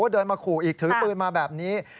เดินมาขู่อีกถือปืนมาแบบนี้